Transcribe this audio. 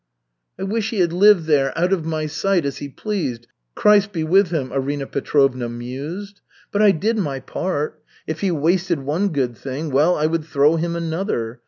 "I wish he had lived there, out of my sight, as he pleased Christ be with him!" Arina Petrovna mused. "But I did my part. If he wasted one good thing, well, I would throw him another.